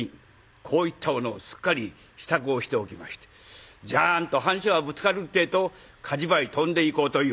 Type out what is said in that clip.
こういったものをすっかり支度をしておきましてジャンと半鐘がぶつかるってえと火事場へ飛んでいこうという。